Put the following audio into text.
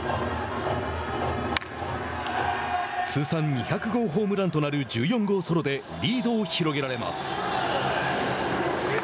通算２００号ホームランとなる１４号ソロでリードを広げられます。